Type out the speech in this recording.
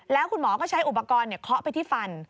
แล้วคุณหมอก็ใช้อุปกรณ์เคาะไปที่ฟัน